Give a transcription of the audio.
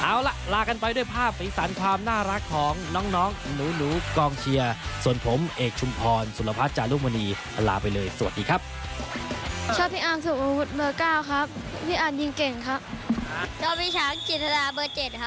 เอาล่ะลากันไปด้วยภาพสีสันความน่ารักของน้องหนูกองเชียร์ส่วนผมเอกชุมพรสุรพัฒน์จารุมณีลาไปเลยสวัสดีครับ